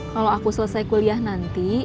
kalau aku selesai kuliah nanti